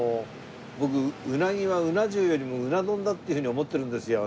僕うなぎはうな重よりもうな丼だっていうふうに思ってるんですよ。